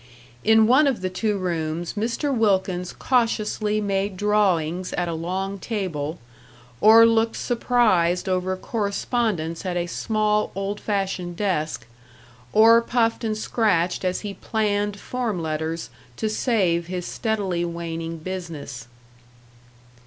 In one of the two rooms Mr. Wilkins cautiously made drawings at a long table, or looked surprised over correspondence at a small old fashioned desk, or puffed and scratched as he planned form letters to save his steadily waning business.